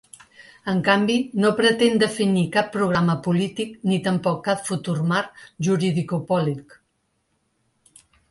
En canvi, no pretén definir cap programa polític ni tampoc cap futur marc juridicopolíc.